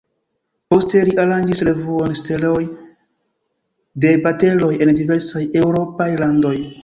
Poste li aranĝis revuon "Steloj de baletoj" en diversaj eŭropaj landoj.